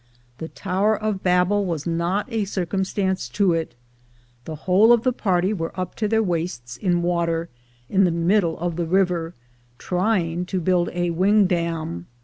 The Tower of Babel was not a circumstance to it. The whole of the party were up to their waists in water, in the middle of the river, trying to build a wing dam.